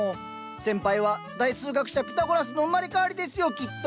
先輩は大数学者ピタゴラスの生まれ変わりですよきっと。